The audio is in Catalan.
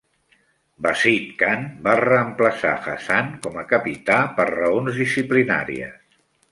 Bazid Khan va reemplaçar Hasan com a capità per raons disciplinàries.